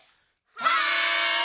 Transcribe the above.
はい！